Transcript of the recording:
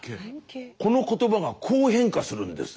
この言葉がこう変化するんです。